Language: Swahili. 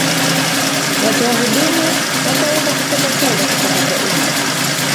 watoa huduma wataweza kukopa fedha kutoka kwa umma